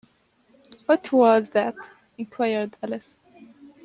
‘What was that?’ inquired Alice.